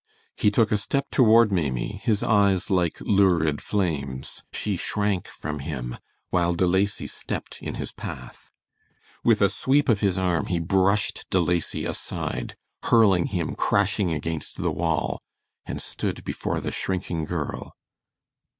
He took a step toward Maimie, his eyes like lurid flames. She shrank from him, while De Lacy stepped in his path. With a sweep of his arm he brushed De Lacy aside, hurling him crashing against the wall, and stood before the shrinking girl.